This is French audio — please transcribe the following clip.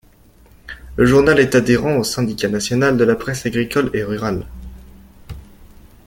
Le journal est adhérent au Syndicat national de la presse agricole et rurale.